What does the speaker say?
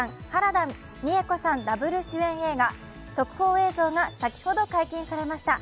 ダブル主演映画、特報映像が先ほど解禁されました。